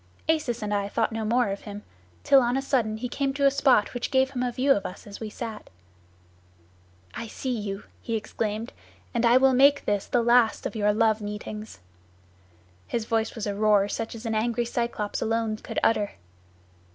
Acis and I thought no more of him, till on a sudden he came to a spot which gave him a view of us as we sat. 'I see you,' he exclaimed, 'and I will make this the last of your love meetings.' His voice was a roar such as an angry Cyclops alone could utter.